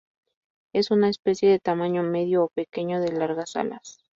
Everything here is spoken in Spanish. Es una especie de tamaño medio a pequeño, de largas alas.